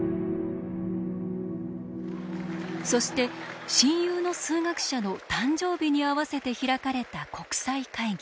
そして親友の数学者の誕生日に合わせて開かれた国際会議